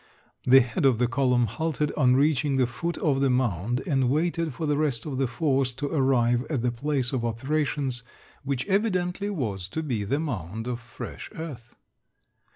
The head of the column halted on reaching the foot of the mound and waited for the rest of the force to arrive at the place of operations, which evidently was to be the mound of fresh earth.